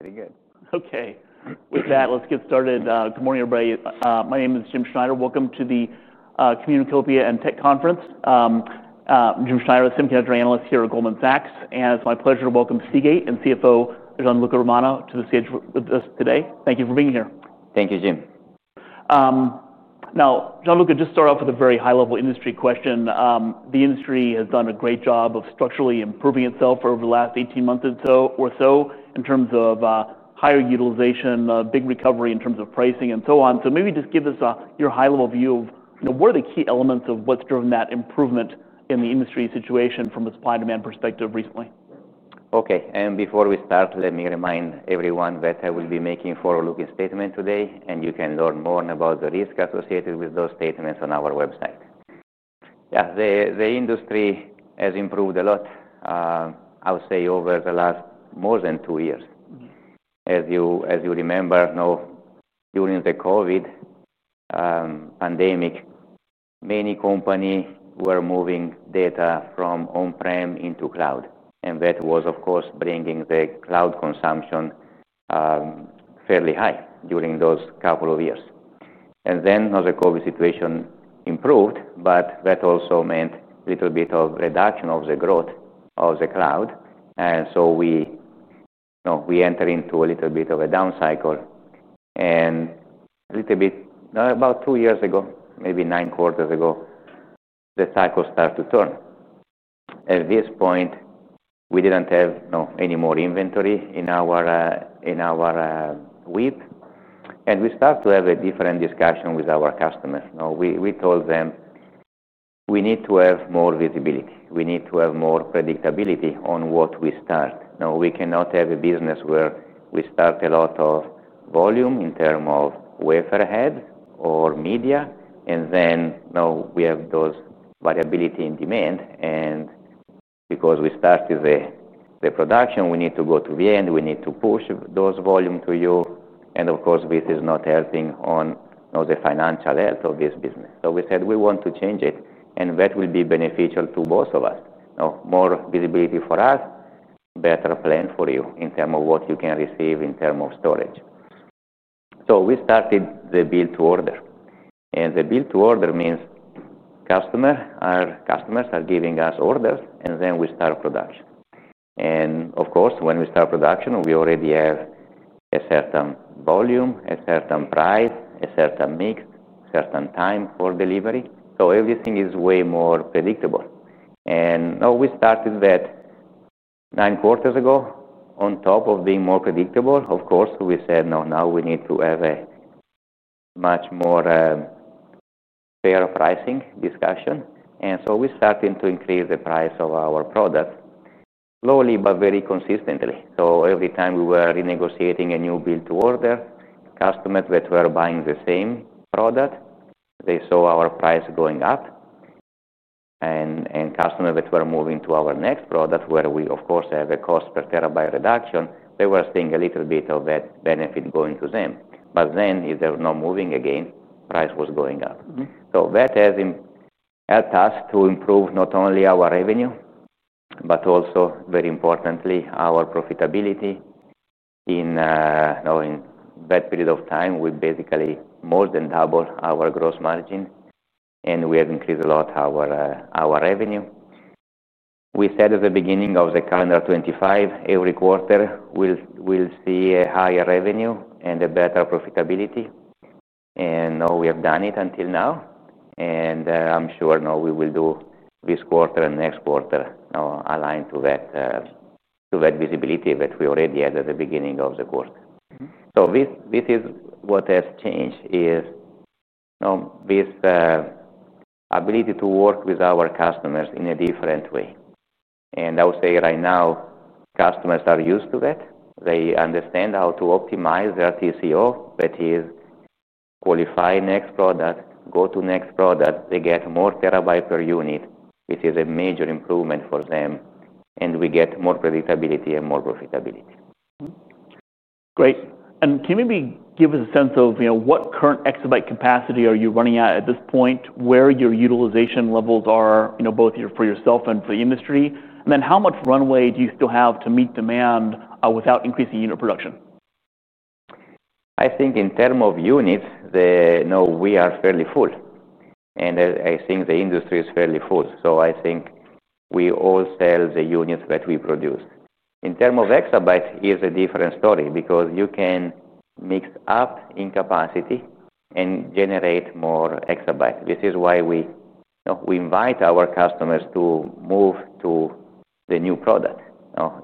Very good. Okay, with that, let's get started. Good morning, everybody. My name is Jim Schneider. Welcome to the Communicopia and Tech Conference. I'm Jim Schneider, a SIEM Category Analyst here at Goldman Sachs, and it's my pleasure to welcome Seagate and CFO Gianluca Romano to the stage with us today. Thank you for being here. Thank you, Jim. Now, Gianluca, just start off with a very high-level industry question. The industry has done a great job of structurally improving itself over the last 18 months or so in terms of higher utilization, big recovery in terms of pricing, and so on. Maybe just give us your high-level view of what are the key elements of what's driven that improvement in the industry situation from a supply and demand perspective recently. Okay, and before we start, let me remind everyone that I will be making a forward-looking statement today, and you can learn more about the risk associated with those statements on our website. The industry has improved a lot, I would say, over the last more than two years. As you remember, during the COVID pandemic, many companies were moving data from on-prem into cloud, and that was, of course, bringing the cloud consumption fairly high during those couple of years. The COVID situation improved, but that also meant a little bit of reduction of the growth of the cloud. We entered into a little bit of a down cycle, and about two years ago, maybe nine quarters ago, the cycle started to turn. At this point, we didn't have any more inventory in our WIP, and we started to have a different discussion with our customers. We told them we need to have more visibility. We need to have more predictability on what we start. We cannot have a business where we start a lot of volume in terms of wafer heads or media, and then we have those variability in demand. Because we started the production, we need to go to the end. We need to push those volumes to you, and of course, this is not helping on the financial health of this business. We said we want to change it, and that will be beneficial to both of us. More visibility for us, better plan for you in terms of what you can receive in terms of storage. We started the build-to-order, and the build-to-order means customers are giving us orders, and then we start production. When we start production, we already have a certain volume, a certain price, a certain mix, a certain time for delivery. Everything is way more predictable. We started that nine quarters ago. On top of being more predictable, we said now we need to have a much more fair pricing discussion. We started to increase the price of our product slowly but very consistently. Every time we were renegotiating a new build-to-order, customers that were buying the same product saw our price going up. Customers that were moving to our next product, where we, of course, have a cost per terabyte reduction, were seeing a little bit of that benefit going to them. If they're not moving again, price was going up. That has helped us to improve not only our revenue, but also very importantly, our profitability. In that period of time, we basically more than doubled our gross margin, and we have increased a lot our revenue. We said at the beginning of calendar 2025, every quarter we'll see a higher revenue and a better profitability. We have done it until now, and I'm sure we will do this quarter and next quarter aligned to that visibility that we already had at the beginning of the quarter. What has changed is this ability to work with our customers in a different way. I would say right now, customers are used to that. They understand how to optimize their TCO. That is, qualify next product, go to next product. They get more terabyte per unit, which is a major improvement for them. We get more predictability and more profitability. Great. Can you maybe give us a sense of what current exabyte capacity you are running at at this point, where your utilization levels are, both for yourself and for the industry? How much runway do you still have to meet demand without increasing unit production? I think in terms of units, we are fairly full. I think the industry is fairly full. I think we all sell the units that we produce. In terms of exabyte, it is a different story because you can mix up in capacity and generate more exabyte. This is why we invite our customers to move to the new product.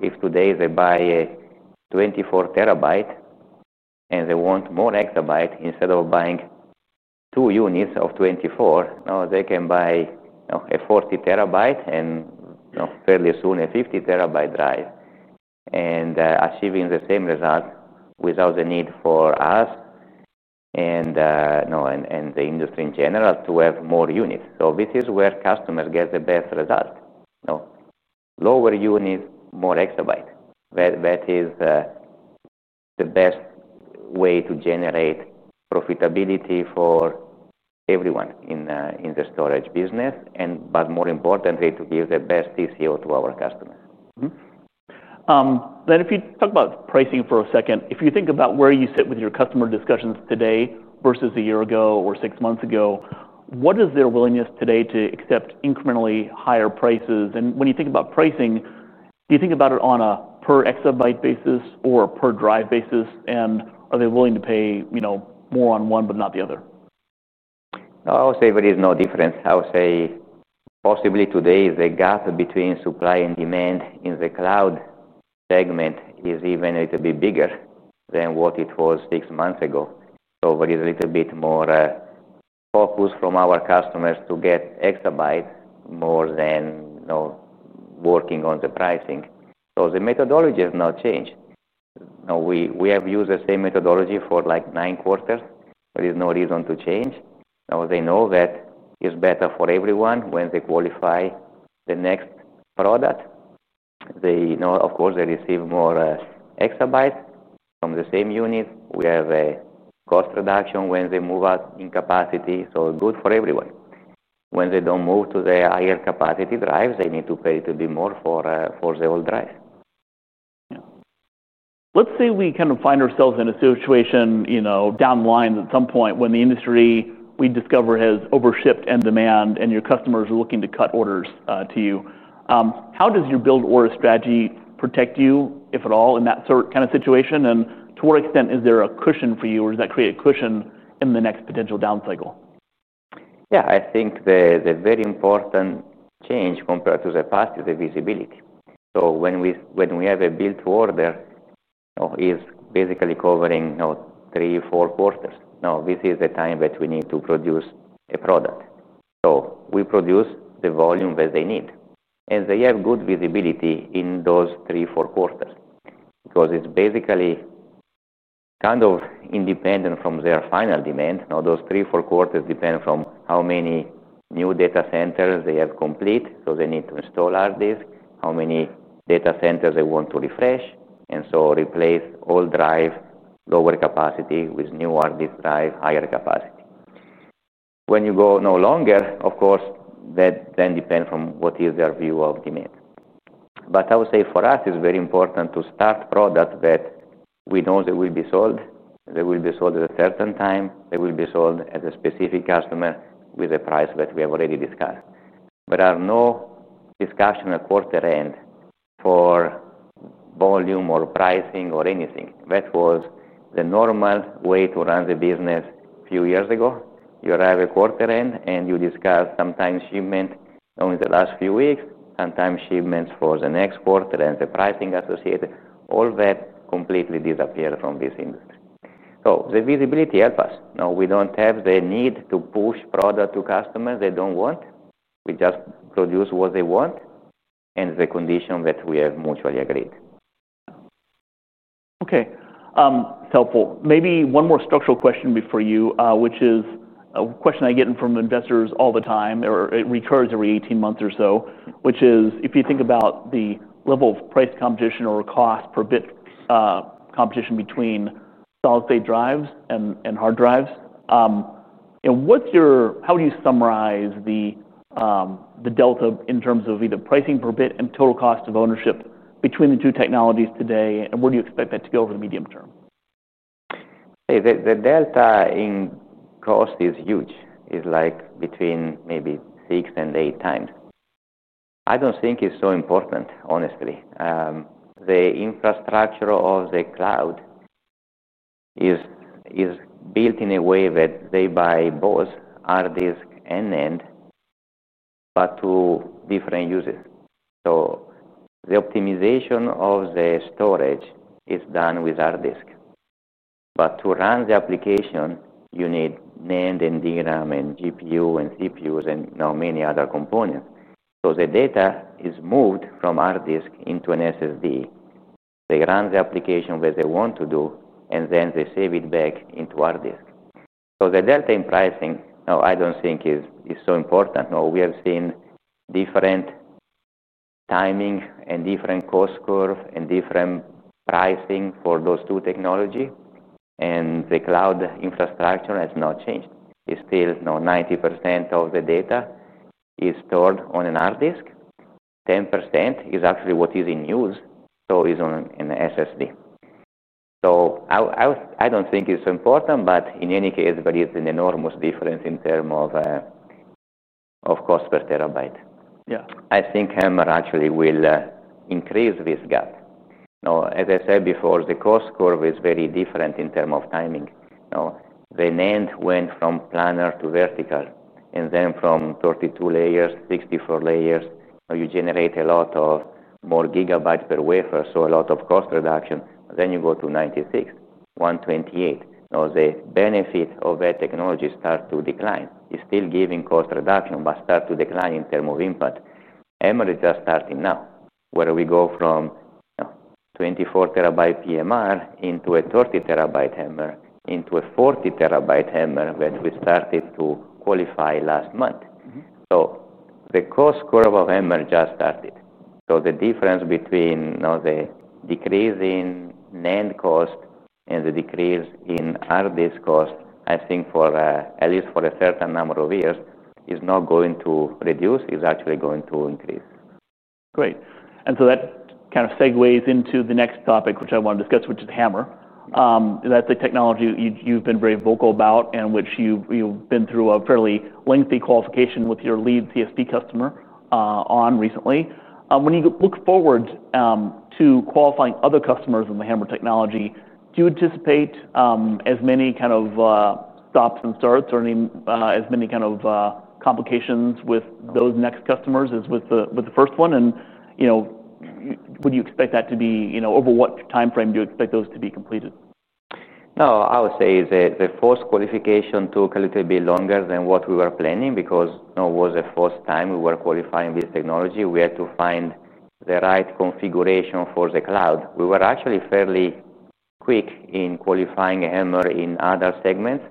If today they buy a 24 terabyte and they want more exabyte, instead of buying two units of 24, they can buy a 40 terabyte and fairly soon a 50 terabyte drive and achieve the same result without the need for us and the industry in general to have more units. This is where customers get the best result. Lower units, more exabyte. That is the best way to generate profitability for everyone in the storage business, but more importantly, to give the best TCO to our customers. If you talk about pricing for a second, if you think about where you sit with your customer discussions today versus a year ago or six months ago, what is their willingness today to accept incrementally higher prices? When you think about pricing, do you think about it on a per exabyte basis or a per drive basis? Are they willing to pay more on one but not the other? I would say there is no difference. I would say possibly today the gap between supply and demand in the cloud segment is even a little bit bigger than what it was six months ago. There is a little bit more focus from our customers to get exabyte more than working on the pricing. The methodology has not changed. We have used the same methodology for like nine quarters. There is no reason to change. They know that it's better for everyone when they qualify the next product. Of course, they receive more exabyte from the same unit. We have a cost reduction when they move up in capacity, so good for everyone. When they don't move to the higher capacity drives, they need to pay a little bit more for the old drive. Let's say we kind of find ourselves in a situation down the line at some point when the industry we discover has overshift in demand and your customers are looking to cut orders to you. How does your build-to-order strategy protect you, if at all, in that kind of situation? To what extent is there a cushion for you or does that create a cushion in the next potential down cycle? Yeah, I think the very important change compared to the past is the visibility. When we have a build-to-order model, it's basically covering three, four quarters. Now this is the time that we need to produce a product. We produce the volume that they need, and they have good visibility in those three, four quarters because it's basically kind of independent from their final demand. Now those three, four quarters depend on how many new data centers they have complete, so they need to install hard disks, how many data centers they want to refresh, and so replace old drive, lower capacity with new hard disk drive, higher capacity. When you go no longer, of course, that then depends on what is their view of demand. I would say for us, it's very important to start products that we know that will be sold. They will be sold at a certain time. They will be sold at a specific customer with a price that we have already discussed. There are no discussions at quarter end for volume or pricing or anything. That was the normal way to run the business a few years ago. You arrive at quarter end and you discuss sometimes shipment only the last few weeks, sometimes shipments for the next quarter and the pricing associated. All that completely disappeared from this industry. The visibility helps us. Now we don't have the need to push product to customers they don't want. We just produce what they want and the condition that we have mutually agreed. Okay, that's helpful. Maybe one more structural question for you, which is a question I get from investors all the time, or it recurs every 18 months or so, which is if you think about the level of price competition or cost per bit competition between solid state drives and hard drives, how do you summarize the delta in terms of either pricing per bit and total cost of ownership between the two technologies today? Where do you expect that to go over the medium term? The delta in cost is huge. It's like between maybe six and eight times. I don't think it's so important, honestly. The infrastructure of the cloud is built in a way that they buy both hard disk and NAND, but to different users. The optimization of the storage is done with hard disk. To run the application, you need NAND and DRAM and GPU and CPUs and many other components. The data is moved from hard disk into an SSD. They run the application where they want to do, and then they save it back into hard disk. The delta in pricing, I don't think is so important. We have seen different timing and different cost curves and different pricing for those two technologies. The cloud infrastructure has not changed. It's still 90% of the data is stored on a hard disk. 10% is actually what is in use, so it's on an SSD. I don't think it's important, but in any case, there is an enormous difference in terms of cost per terabyte. Yeah. I think HAMR actually will increase this gap. As I said before, the cost curve is very different in terms of timing. The NAND went from planar to vertical, and then from 32 layers, 64 layers, you generate a lot more gigabytes per wafer, so a lot of cost reduction. You go to 96, 128. The benefit of that technology starts to decline. It's still giving cost reduction, but starts to decline in terms of impact. HAMR is just starting now, where we go from 24 terabyte PMR platform into a 30 terabyte HAMR-based Mozaic drive, into a 40 terabyte HAMR-based Mozaic drive that we started to qualify last month. The cost curve of HAMR just started. The difference between the decrease in NAND cost and the decrease in hard disk cost, I think for at least a certain number of years, is not going to reduce. It's actually going to increase. Great. That kind of segues into the next topic, which I want to discuss, which is HAMR. That's a technology you've been very vocal about and which you've been through a fairly lengthy qualification with your lead CSP customer on recently. When you look forward to qualifying other customers in the HAMR technology, do you anticipate as many kind of stops and starts or as many kind of complications with those next customers as with the first one? Would you expect that to be, over what timeframe do you expect those to be completed? No, I would say the first qualification took a little bit longer than what we were planning because it was the first time we were qualifying this technology. We had to find the right configuration for the cloud. We were actually fairly quick in qualifying HAMR in other segments,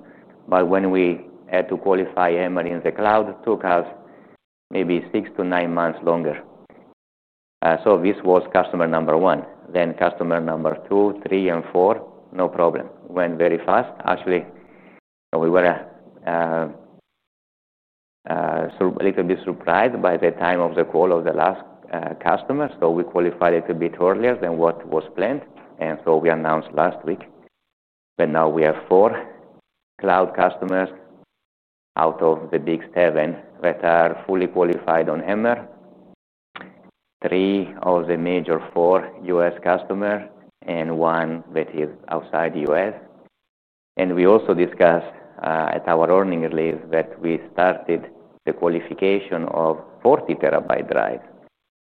but when we had to qualify HAMR in the cloud, it took us maybe six to nine months longer. This was customer number one. Customer number two, three, and four, no problem. It went very fast. We were a little bit surprised by the timing of the call of the last customer. We qualified a little bit earlier than what was planned, and we announced last week. Now we have four cloud customers out of the big seven that are fully qualified on HAMR. Three of the major four U.S. customers and one that is outside the U.S. We also discussed at our earnings release that we started the qualification of 40 terabyte drives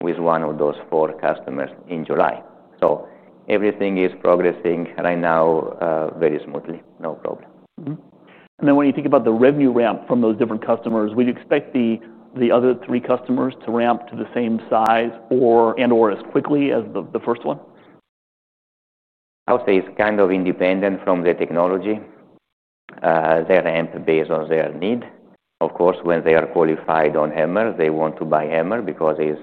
with one of those four customers in July. Everything is progressing right now very smoothly. No problem. When you think about the revenue ramp from those different customers, would you expect the other three customers to ramp to the same size and/or as quickly as the first one? I would say it's kind of independent from the technology. They ramp based on their need. Of course, when they are qualified on HAMR, they want to buy HAMR because it's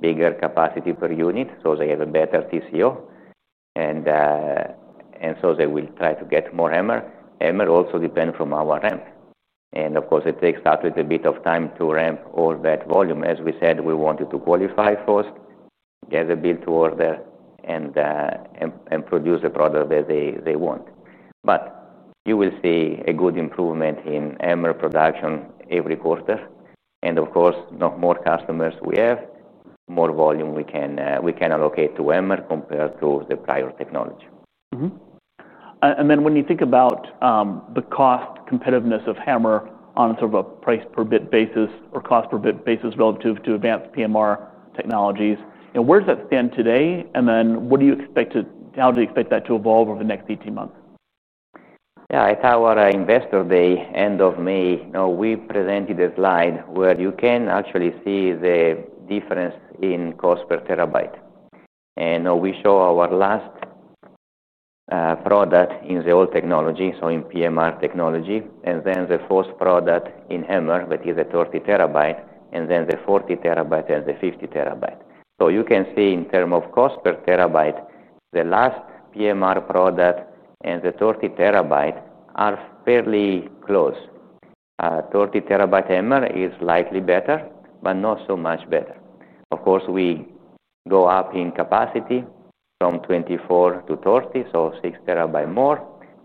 bigger capacity per unit, so they have a better TCO. They will try to get more HAMR. HAMR also depends on our ramp. It takes a little bit of time to ramp all that volume. As we said, we wanted to qualify first, get the build-to-order, and produce the product that they want. You will see a good improvement in HAMR production every quarter. The more customers we have, the more volume we can allocate to HAMR compared to the prior technology. When you think about the cost competitiveness of HAMR on a price per bit basis or cost per bit basis relative to advanced PMR technologies, where does that stand today? How do you expect that to evolve over the next 18 months? Yeah, at our investor day, end of May, we presented a slide where you can actually see the difference in cost per terabyte. We show our last product in the old technology, so in PMR technology, and then the first product in HAMR that is a 30 terabyte, and then the 40 terabyte and the 50 terabyte. You can see in terms of cost per terabyte, the last PMR product and the 30 terabyte are fairly close. The 30 terabyte HAMR is slightly better, but not so much better. Of course, we go up in capacity from 24 to 30, so six terabyte more.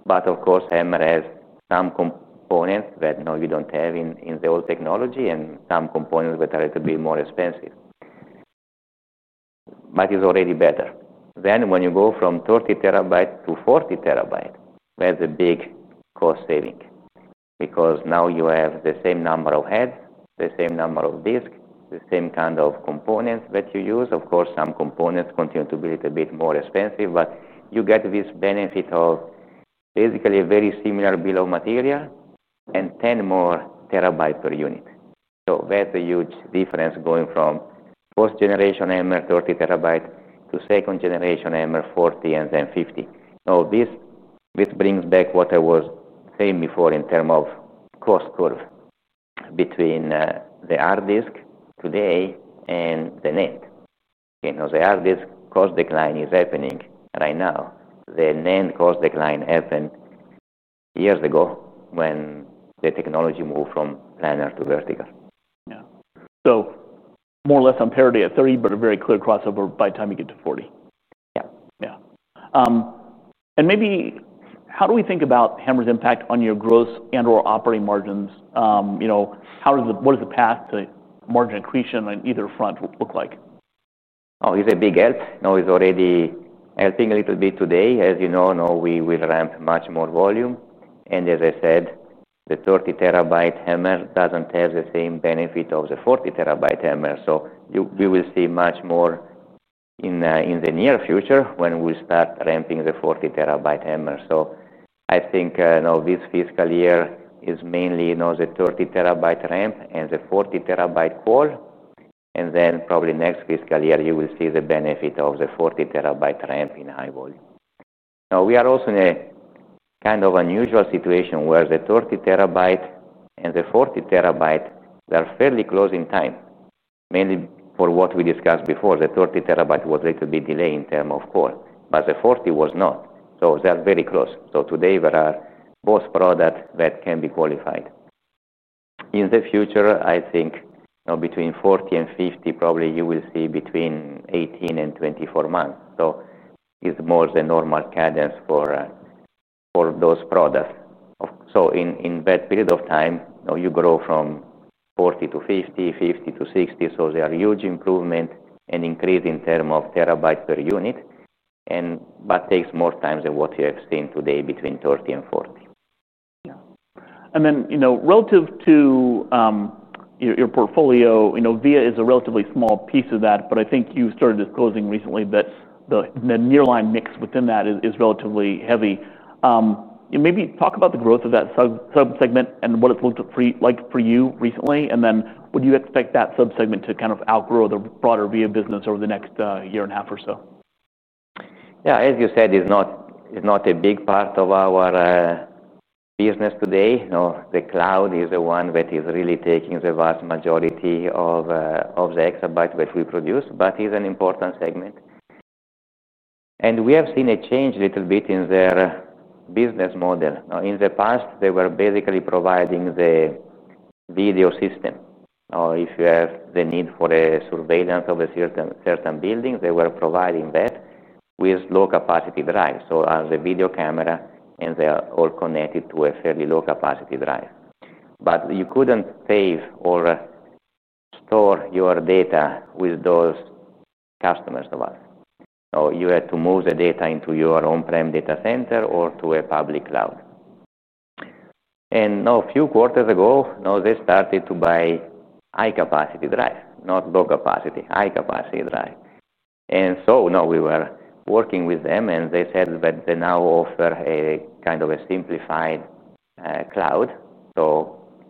Of course, HAMR has some components that we don't have in the old technology and some components that are a little bit more expensive. It's already better. When you go from 30 terabyte to 40 terabyte, that's a big cost saving because now you have the same number of heads, the same number of disks, the same kind of components that you use. Some components continue to be a little bit more expensive, but you get this benefit of basically very similar bill of material and 10 more terabyte per unit. That's a huge difference going from first generation HAMR 30 terabyte to second generation HAMR 40 and then 50. This brings back what I was saying before in terms of cost curve between the hard disk today and the NAND. The hard disk cost decline is happening right now. The NAND cost decline happened years ago when the technology moved from planar to vertical. Yeah, so more or less on parity at 30, but a very clear crossover by the time you get to 40. Yeah. How do we think about HAMR's impact on your gross and/or operating margins? What does the path to margin accretion on either front look like? Oh, it's a big help. It's already helping a little bit today. As you know, we will ramp much more volume. As I said, the 30 terabyte HAMR doesn't have the same benefit of the 40 terabyte HAMR. We will see much more in the near future when we start ramping the 40 terabyte HAMR. I think this fiscal year is mainly the 30 terabyte ramp and the 40 terabyte call. Probably next fiscal year, you will see the benefit of the 40 terabyte ramp in high volume. Now we are also in a kind of unusual situation where the 30 terabyte and the 40 terabyte, they're fairly close in time, mainly for what we discussed before. The 30 terabyte was a little bit delayed in terms of call, but the 40 was not, so they're very close. Today there are both products that can be qualified. In the future, I think between 40 and 50, probably you will see between 18 and 24 months. It's more the normal cadence for those products. In that period of time, you grow from 40 to 50, 50 to 60. There are huge improvements and increases in terms of terabyte per unit, but it takes more time than what you have seen today between 30 and 40. Yeah, relative to your portfolio, VIA is a relatively small piece of that, but I think you started disclosing recently that the nearline mix within that is relatively heavy. Maybe talk about the growth of that subsegment and what it's looked like for you recently. Would you expect that subsegment to kind of outgrow the broader VIA business over the next year and a half or so? Yeah, as you said, it's not a big part of our business today. The cloud is the one that is really taking the vast majority of the exabyte that we produce, but it's an important segment. We have seen a change a little bit in their business model. In the past, they were basically providing the video system. If you have the need for a surveillance of a certain building, they were providing that with low capacity drives. As a video camera, and they are all connected to a fairly low capacity drive. You couldn't save or store your data with those customers of ours. You had to move the data into your on-prem data center or to a public cloud. A few quarters ago, they started to buy high capacity drives, not low capacity, high capacity drives. Now we were working with them, and they said that they now offer a kind of a simplified cloud.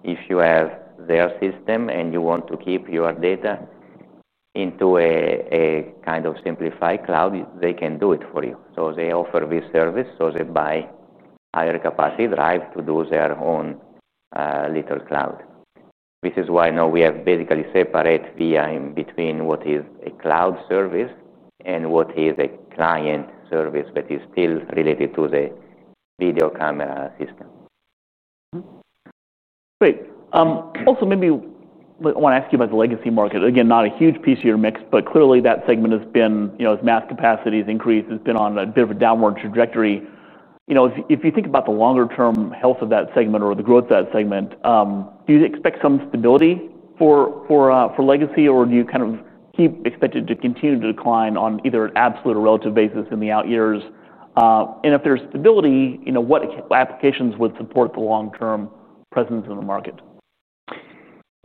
If you have their system and you want to keep your data into a kind of simplified cloud, they can do it for you. They offer this service. They buy higher capacity drives to do their own little cloud. This is why now we have basically separate via in between what is a cloud service and what is a client service that is still related to the video camera system. Great. Also, maybe I want to ask you about the legacy market. Again, not a huge piece of your mix, but clearly that segment has been, as mass capacity has increased, it's been on a bit of a downward trajectory. If you think about the longer-term health of that segment or the growth of that segment, do you expect some stability for legacy, or do you kind of keep expecting it to continue to decline on either an absolute or relative basis in the out years? If there's stability, what applications would support the long-term presence in the market?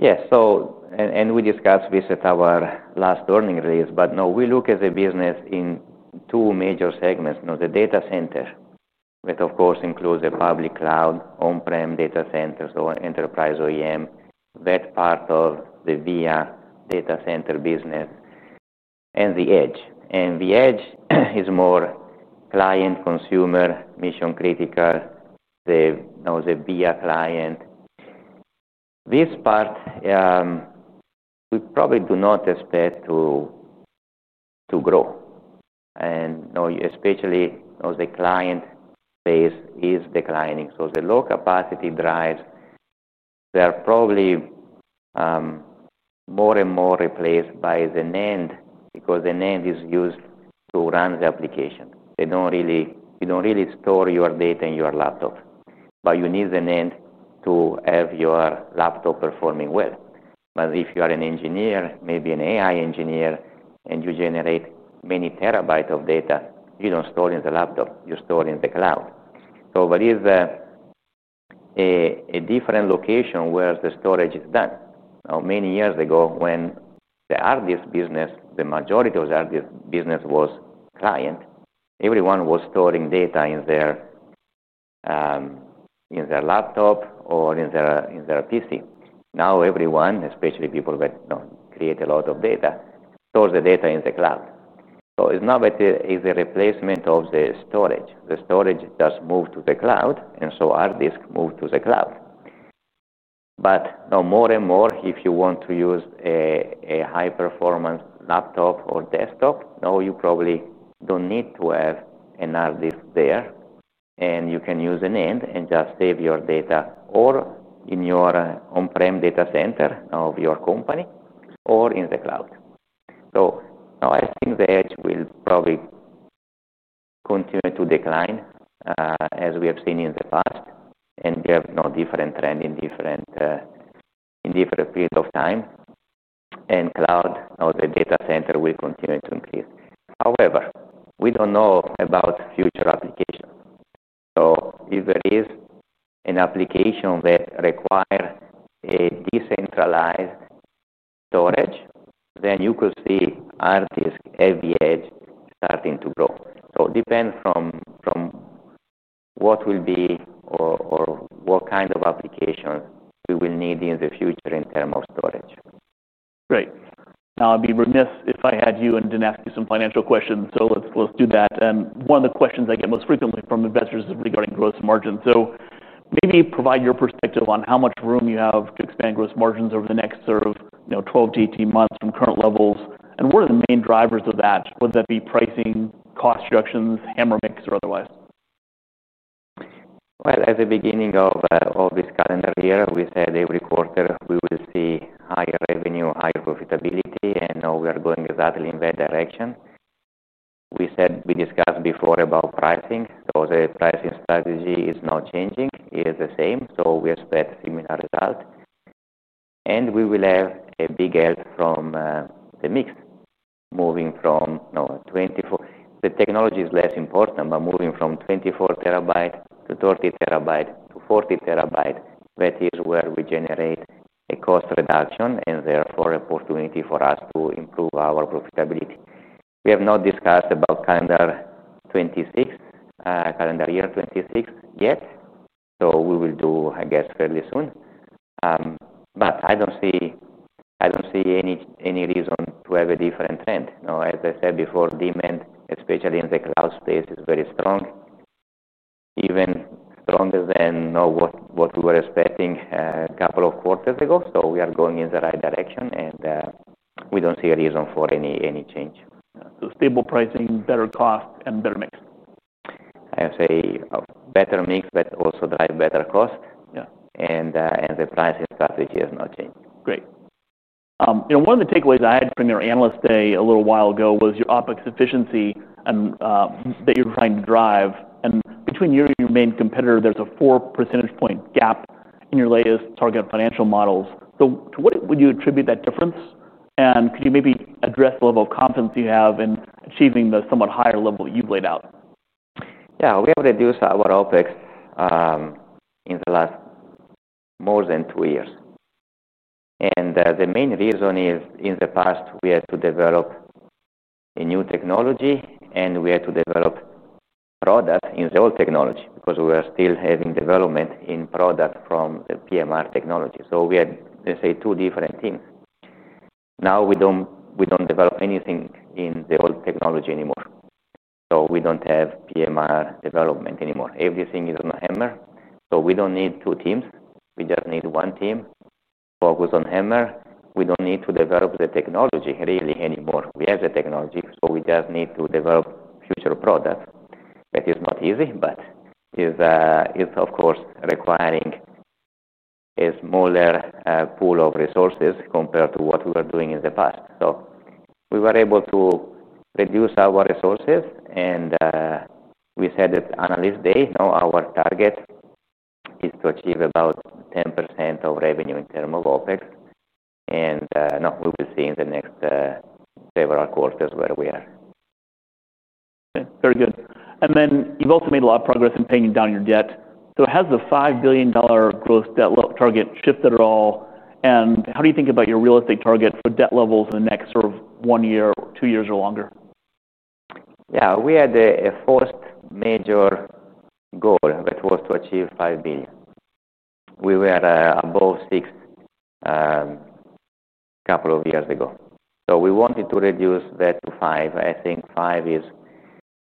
Yeah, so we discussed this at our last earnings release, but no, we look at the business in two major segments. The data center, that of course includes the public cloud, on-prem data centers, or enterprise OEM, that part of the data center business, and the edge. The edge is more client-consumer, mission-critical, the client. This part, we probably do not expect to grow. Especially the client base is declining. The low capacity drives, they're probably more and more replaced by the NAND because the NAND is used to run the application. You don't really store your data in your laptop, but you need the NAND to have your laptop performing well. If you are an engineer, maybe an AI engineer, and you generate many terabytes of data, you don't store in the laptop. You store in the cloud. It is a different location where the storage is done. Many years ago, when the hard disk business, the majority of the hard disk business was client, everyone was storing data in their laptop or in their PC. Now everyone, especially people that create a lot of data, stores the data in the cloud. It is not a replacement of the storage. The storage does move to the cloud, and hard disk moves to the cloud. Now more and more, if you want to use a high-performance laptop or desktop, you probably don't need to have a hard disk there, and you can use the NAND and just save your data in your on-prem data center of your company or in the cloud. I think the edge will probably continue to decline, as we have seen in the past, and you have a different trend in different periods of time. Cloud, the data center will continue to increase. However, we don't know about future applications. If there is an application that requires a decentralized storage, then you could see hard disk at the edge starting to grow. It depends on what will be or what kind of application we will need in the future in terms of storage. Great. Now I'd be remiss if I had you and didn't ask you some financial questions, so let's do that. One of the questions I get most frequently from investors is regarding gross margins. Maybe provide your perspective on how much room you have to expand gross margins over the next 12 to 18 months from current levels. What are the main drivers of that? Whether that be pricing, cost structures, HAMR mix, or otherwise. At the beginning of this calendar year, we said every quarter we would see higher revenue, higher profitability, and now we are going exactly in that direction. We said we discussed before about pricing. The pricing strategy is not changing. It is the same. We expect a similar result. We will have a big help from the mix, moving from 24 terabyte to 30 terabyte to 40 terabyte. That is where we generate a cost reduction and therefore an opportunity for us to improve our profitability. We have not discussed calendar year 2026 yet. We will do, I guess, fairly soon. I don't see any reason to have a different trend. As I said before, demand, especially in the cloud space, is very strong, even stronger than what we were expecting a couple of quarters ago. We are going in the right direction, and we don't see a reason for any change. Stable pricing, better cost, and better mix. I would say a better mix, but also drive better cost. The pricing strategy has not changed. Great. One of the takeaways I had from your analyst day a little while ago was your OpEx efficiency that you're trying to drive. Between you and your main competitor, there's a 4% gap in your latest target financial models. To what would you attribute that difference? Could you maybe address the level of confidence you have in achieving the somewhat higher level you've laid out? Yeah, we have reduced our OpEx in the last more than two years. The main reason is in the past we had to develop a new technology, and we had to develop products in the old technology because we were still having development in products from the PMR technology. We had, let's say, two different teams. Now we don't develop anything in the old technology anymore. We don't have PMR development anymore. Everything is on HAMR. We don't need two teams. We just need one team focused on HAMR. We don't need to develop the technology really anymore. We have the technology, so we just need to develop future products. That is not easy, but it is, of course, requiring a smaller pool of resources compared to what we were doing in the past. We were able to reduce our resources, and we said at Analyst Day, our target is to achieve about 10% of revenue in terms of OpEx. We will see in the next several quarters where we are. Very good. You've also made a lot of progress in paying down your debt. Has the $5 billion gross debt target shifted at all? How do you think about your realistic target for debt levels in the next sort of one year, two years, or longer? Yeah, we had a first major goal that was to achieve $5 billion. We were above $6 billion a couple of years ago. We wanted to reduce that to $5 billion. I think $5 billion is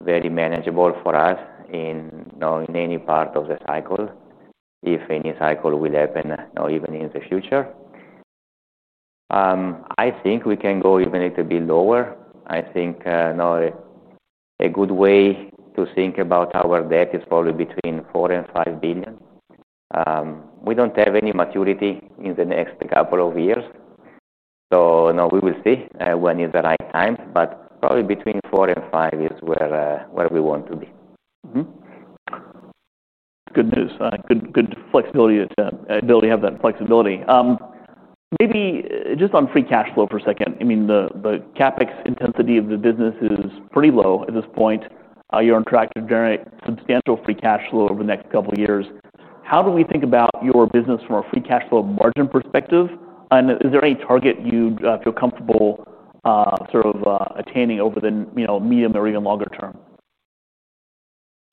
very manageable for us in any part of the cycle, if any cycle will happen even in the future. I think we can go even a little bit lower. I think a good way to think about our debt is probably between $4 billion and $5 billion. We don't have any maturity in the next couple of years. We will see when is the right time, but probably between $4 billion and $5 billion is where we want to be. Good news. Good flexibility to be able to have that flexibility. Maybe just on free cash flow for a second. I mean, the CapEx intensity of the business is pretty low at this point. You're on track to generate substantial free cash flow over the next couple of years. How do we think about your business from a free cash flow margin perspective? Is there any target you feel comfortable sort of attaining over the medium or even longer term?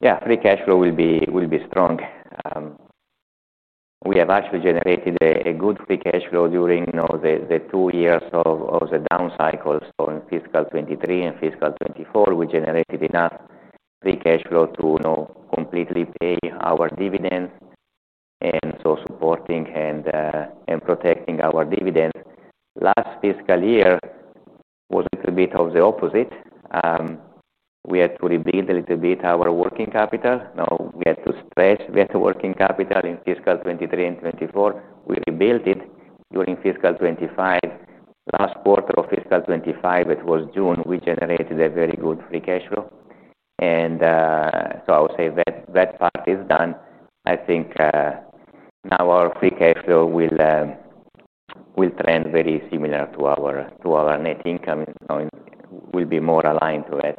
Yeah, free cash flow will be strong. We have actually generated a good free cash flow during the two years of the down cycles. In fiscal 2023 and fiscal 2024, we generated enough free cash flow to completely pay our dividends and so supporting and protecting our dividends. Last fiscal year was a little bit of the opposite. We had to rebuild a little bit our working capital. We had to stretch that working capital in fiscal 2023 and 2024. We rebuilt it during fiscal 2025. Last quarter of fiscal 2025, it was June, we generated a very good free cash flow. I would say that part is done. I think now our free cash flow will trend very similar to our net income. It will be more aligned to that.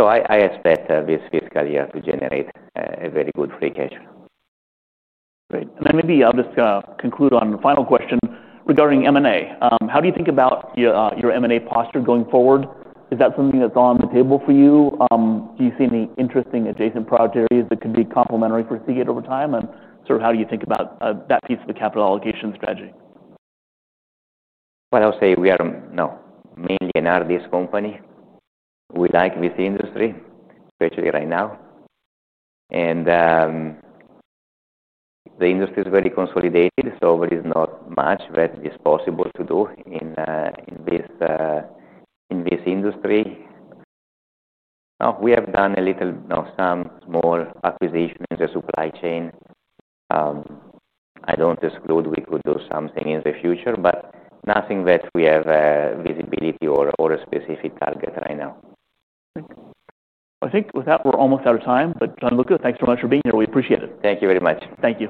I expect this fiscal year to generate a very good free cash flow. Great. Maybe I'll just conclude on the final question regarding M&A. How do you think about your M&A posture going forward? Is that something that's on the table for you? Do you see any interesting adjacent product areas that could be complementary for Seagate over time? How do you think about that piece of the capital allocation strategy? I would say we are mainly an R&D company. We like this industry, especially right now. The industry is very consolidated, so there is not much that is possible to do in this industry. We have done some small acquisitions in the supply chain. I don't exclude we could do something in the future, but nothing that we have visibility or a specific target right now. I think with that, we're almost out of time. Gianluca, thanks very much for being here. We appreciate it. Thank you very much. Thank you.